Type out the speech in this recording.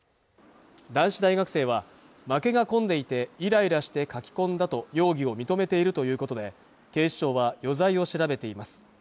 男子大学生は負けが込んでいてイライラして書き込んだと容疑を認めているということで警視庁は余罪を調べています